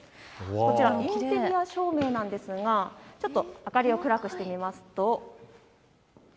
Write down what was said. インテリア照明なんですが明かりを暗くしてみますと。